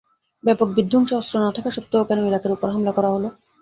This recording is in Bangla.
ব্যাপক বিধ্বংসী অস্ত্র না থাকা সত্ত্বেও কেন ইরাকের ওপরে হামলা করা হলো?